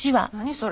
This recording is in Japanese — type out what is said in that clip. それ。